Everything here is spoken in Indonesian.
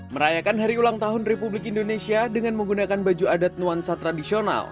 merayakan hari ulang tahun republik indonesia dengan menggunakan baju adat nuansa tradisional